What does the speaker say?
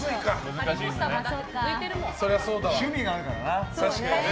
趣味があるからな。